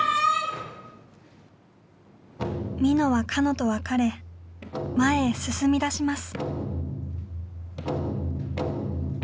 みのはかのと別れ前へ進みだします。